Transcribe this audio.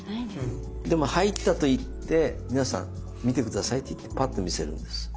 でも「入った」と言って「皆さん見て下さい」と言ってぱっと見せるんです。